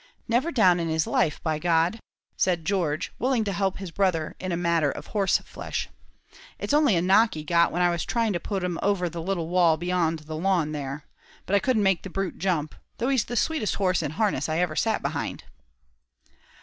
"Never down in his life, by G d," said George, willing to help his brother in a matter of horseflesh; "it's only a knock he got when I was trying to put him over the little wall beyond the lawn there; but I couldn't make the brute jump, though he's the sweetest horse in harness I ever sat behind."